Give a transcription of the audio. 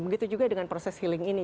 begitu juga dengan proses healing ini